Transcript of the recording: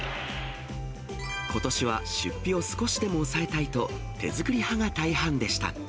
ことしは出費を少しでも抑えたいと、手作り派が大半でした。